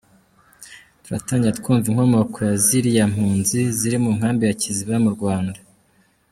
Turatangira twumva inkomoko ya ziriya mpunzi ziri mu nkambi ya Kiziba mu Rwanda.